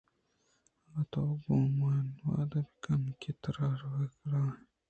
اگاں تو گوں من وعدہ بہ کن ئے کہ ترا رَوَگ کِلّاں